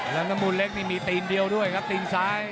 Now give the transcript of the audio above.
แล้วน้ำมูลเล็กนี่มีตีนเดียวด้วยครับตีนซ้าย